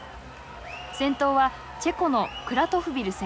先頭はチェコのクラトフビル選手。